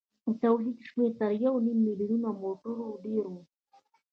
د تولید شمېر تر یو نیم میلیون موټرو ډېر و.